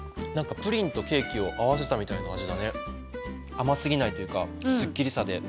甘すぎないというかすっきりさで。